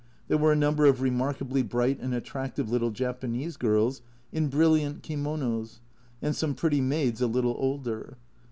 There were a number of remarkably bright and attractive little Japanese girls in brilliant kimonos, and some pretty maids a little older.